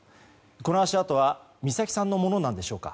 この足跡は美咲さんのものなんでしょうか。